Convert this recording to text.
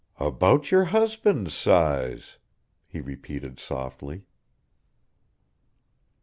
"About your husband's size!" he repeated softly.